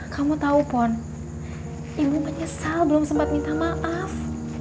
kamu tahu pon ibu menyesal belum sempat minta maaf